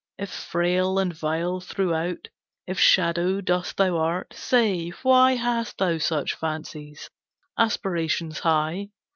If frail and vile throughout, If shadow, dust thou art, say, why Hast thou such fancies, aspirations high?